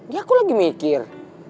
iya aku lagi mikir